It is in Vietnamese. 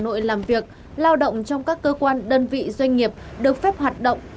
nội làm việc lao động trong các cơ quan đơn vị doanh nghiệp được phép hoạt động